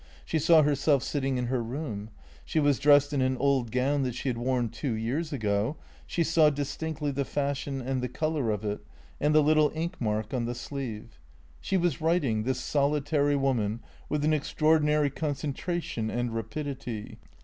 She saw herself sitting in her room. She was dressed in an old gown that she had worn two years ago, she saw distinctly the fashion and the colour of it, and the little ink mark on the sleeve. She was writing, this soli tary woman, with an extraordinary concentration and rapidity.